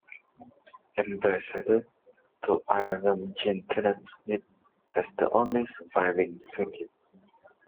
Ambassador to Ireland Jean Kennedy Smith as the only surviving sibling.